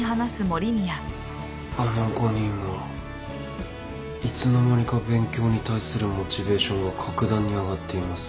あの５人もいつの間にか勉強に対するモチベーションが格段に上がっています。